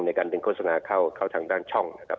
ในการเป็นโฆษณาเข้าทางด้านช่องนะครับ